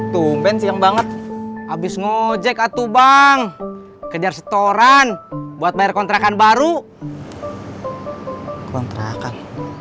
tumben siang banget abis ngejek atuh bang kejar setoran buat bayar kontrakan baru kontrakan